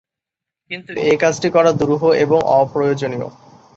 কিন্তু এ কাজটি করা দুরূহ এবং অপ্রয়োজনীয়।